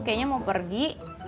kayaknya mau pergi